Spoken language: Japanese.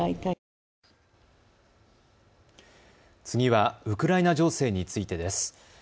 次はウクライナ情勢についてです。